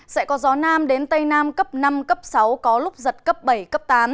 sẽ có gió nam đến tây nam cấp năm cấp sáu có lúc giật cấp bảy cấp tám